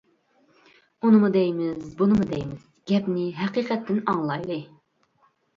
ئۇنىمۇ دەيمىز بۇنىمۇ دەيمىز گەپنى ھەقىقەتتىن ئاڭلايلى.